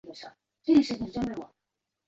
出生于青岛市。